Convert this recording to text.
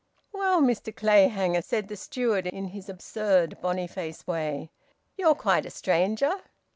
"Well, Mr Clayhanger," said the steward, in his absurd boniface way, "you're quite a stranger."